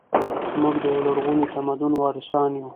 موږ د یو لرغوني تمدن وارثان یو